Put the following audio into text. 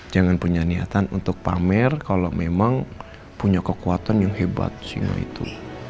jangan punya niatan untuk pamer kalau memang punya kekuatan yang hebat singo itu